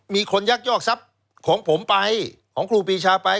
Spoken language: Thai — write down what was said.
มีคนยักยอกทรัพย์ของผมไปของครูปีชาไป